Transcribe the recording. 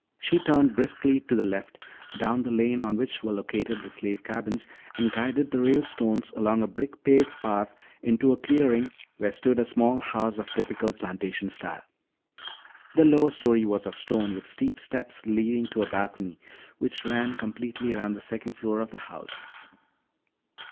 She turned briskly to the left down the lane on which were located the slave cabins and guided the Ralestones along a brick paved path into a clearing where stood a small house of typical plantation style. The lower story was of stone with steep steps leading to a balcony which ran completely around the second floor of the house.